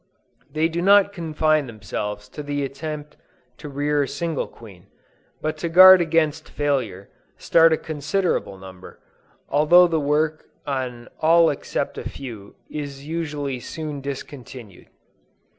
They do not confine themselves to the attempt to rear a single queen, but to guard against failure, start a considerable number, although the work on all except a few, is usually soon discontinued.